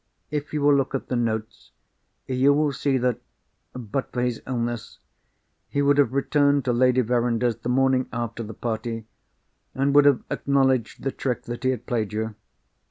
If you will look at the notes, you will see that—but for his illness—he would have returned to Lady Verinder's the morning after the party, and would have acknowledged the trick that he had played you.